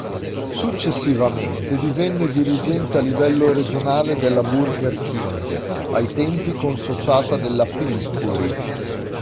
Successivamente divenne dirigente a livello regionale della Burger King, ai tempi consociata della Pillsbury.